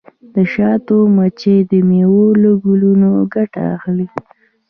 د شاتو مچۍ د میوو له ګلونو ګټه اخلي.